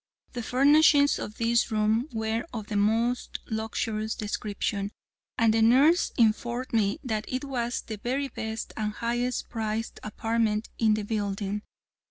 The furnishings of this room were of the most luxurious description, and the nurse informed me that it was the very best and highest priced apartment in the building.